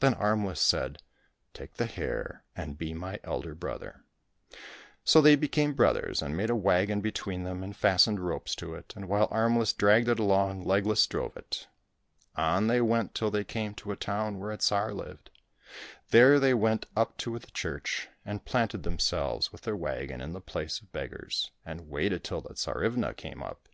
Then Armless said, " Take the hare and be my elder brother !" So they became brothers, and made a wagon between them, and fastened ropes to it, and while Armless dragged it along Legless drove it. On they went till they came to a town where a Tsar lived. There they went up to the church, and planted themselves with their wagon in the place of beggars, and waited till the Tsarivna came up.